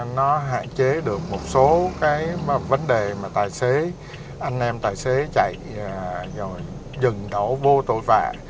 nó hạn chế được một số cái vấn đề mà tài xế anh em tài xế chạy rồi dừng đổ vô tội vạ